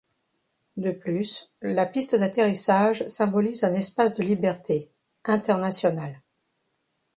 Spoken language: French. De plus, la piste d'atterrissage symbolise un espace de liberté, international.